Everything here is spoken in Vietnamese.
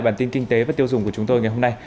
bản tin kinh tế và tiêu dùng của chúng tôi ngày hôm nay